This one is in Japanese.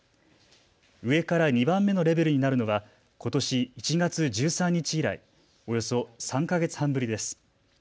上から２番目のレベルになるのはことし１月１３日以来、およそ３か月半ぶりです。